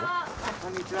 こんにちは。